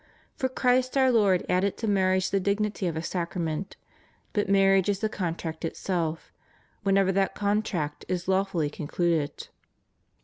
For Christ our Lord added to marriage the dignity of a sacrament; but marriage is the contract itself, whenever that contract is lawfully concluded.